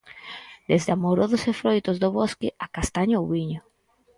Desde amorodos e froitos do bosque a castaña ou viño.